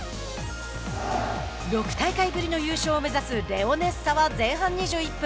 ６大会ぶりの優勝を目指すレオネッサは前半２１分。